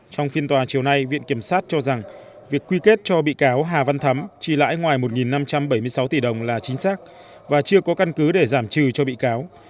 trong phiên tòa chiều nay viện kiểm sát cho rằng việc quy kết cho bị cáo hà văn thắm chi lãi ngoài một năm trăm bảy mươi sáu tỷ đồng là chính xác và chưa có căn cứ để giảm trừ cho bị cáo